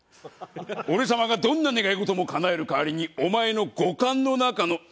俺様がどんな願い事もかなえる代わりにお前の五感の中の。